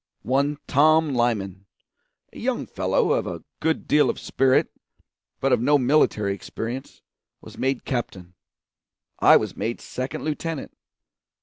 One Tom Lyman, a young fellow of a good deal of spirit but of no military experience, was made captain; I was made second lieutenant.